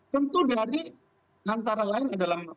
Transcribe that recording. tentu dari antara lain adalah